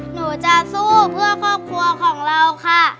หนูจะสู้เพื่อครอบครัวของเราค่ะ